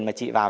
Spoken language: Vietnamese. mà chị vào